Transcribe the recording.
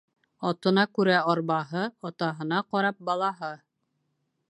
Атына күрә арбаһы, атаһына ҡарап балаһы.